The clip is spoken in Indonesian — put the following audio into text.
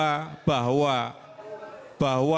saya hanya ingin menyampaikan bahwa